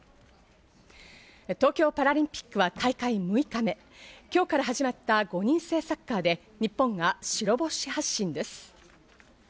東京パラリンピックは大会６日目、今日から始まった５人制サッカーで日本が白星発進です。